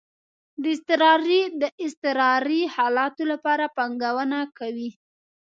د اضطراری حالاتو لپاره پانګونه کوئ؟